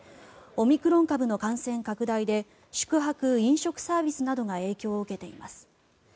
オミクロン株の感染拡大で宿泊・飲食サービスなどが影響を受けています。